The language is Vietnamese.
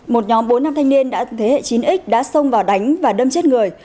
một nhóm bốn nam thanh niên đã thế hệ chín x đã xông vào đánh và đâm chết người